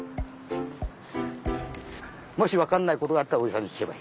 もしわかんないことがあったらおじさんにきけばいい。